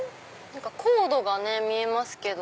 コードが見えますけど。